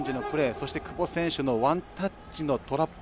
そして、久保選手のワンタッチのトラップ。